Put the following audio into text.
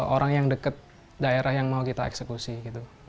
orang yang dekat daerah yang mau kita eksekusi gitu